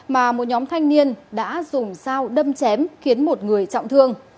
mà một nhóm thanh niên đã dùng dao đâm chém khiến một người trọng thương